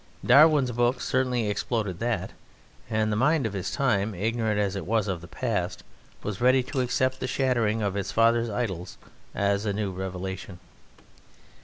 Darwin's book certainly exploded that, and the mind of his time ignorant as it was of the past was ready to accept the shattering of its father's idols as a new revelation."